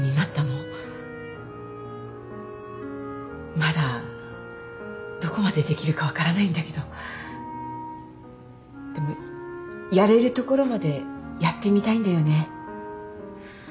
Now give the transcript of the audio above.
まだどこまでできるか分からないんだけどでもやれるところまでやってみたいんだよね。